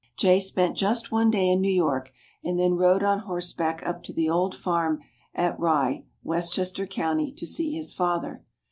Jay spent just one day in New York, and then rode on horseback up to the old farm at Rye, Westchester County, to see his father.